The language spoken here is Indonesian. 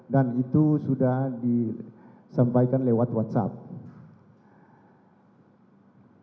dan itu sudah disampaikan lewat whatsapp